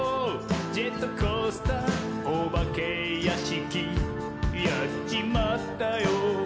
ジェットコースターおばけやしき」「やっちまったよ！